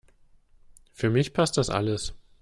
Für mich passt das alles.